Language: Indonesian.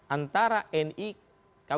antara ni kw sembilan